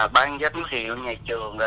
ban giám hiệu nhà trường